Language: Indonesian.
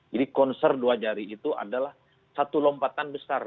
jadi konser dua jari itu adalah satu lompatan besar